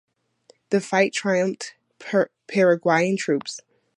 This fight triumphed Paraguayan troops.